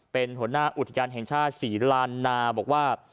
เป็นหัวหน้าอุทยานแห่งชาติศรีลานนาบอกว่า